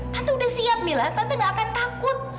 tante udah siap mila tante gak akan takut